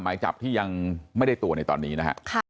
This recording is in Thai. หมายจับที่ยังไม่ได้ตัวในตอนนี้นะฮะ